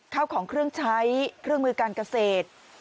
ข้าวของเครื่องใช้เครื่องมือการเกษตร